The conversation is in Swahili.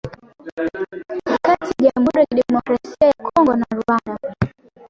kati ya jamhuri ya kidemokrasia ya Kongo na Rwanda